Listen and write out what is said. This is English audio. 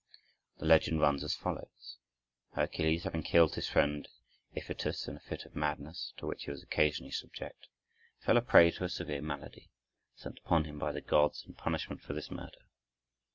The legend runs as follows: Hercules, having killed his friend Iphitus in a fit of madness, to which he was occasionally subject, fell a prey to a severe malady, sent upon him by the gods in punishment for this murder.